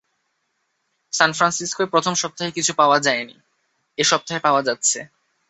সান ফ্রান্সিস্কোয় প্রথম সপ্তাহে কিছু পাওয়া যায়নি, এ সপ্তাহে পাওয়া যাচ্ছে।